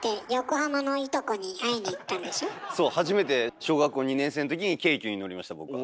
初めて小学校２年生のときに京急に乗りました僕は。